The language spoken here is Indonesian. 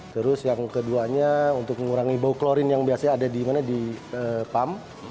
terus yang keduanya untuk mengurangi bau klorin yang biasanya ada di mana di pump